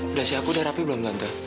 udah sih aku udah rapi belum tentu